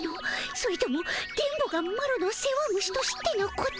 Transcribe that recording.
それとも電ボがマロの世話虫と知ってのこと？